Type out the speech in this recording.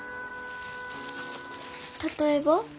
例えば？